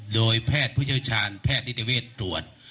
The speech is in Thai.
โดยแพทย์พุทธชาญแพทย์นิตเวทตรวจ